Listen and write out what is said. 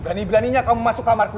berani beraninya kamu masuk kamar ku